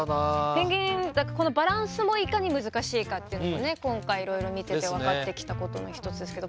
ペンギンこのバランスもいかに難しいかっていうのもね今回いろいろ見てて分かってきたことの一つですけど。